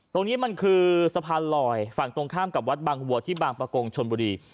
ตรงนี้มันคือสะพานลอยฝั่งตรงข้ามกับวัดบางวัวที่บางประกงชนบุรี